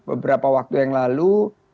dan beberapa waktu yang lalu